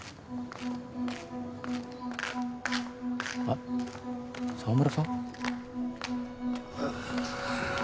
あっ澤村さん？ああ。